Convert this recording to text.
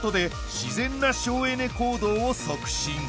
自然な省エネ行動を促進